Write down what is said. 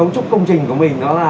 công trình của mình là vách tôn và sát